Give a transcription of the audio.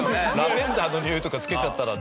ラベンダーのにおいとか付けちゃったら。